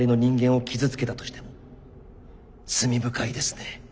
罪深いですね。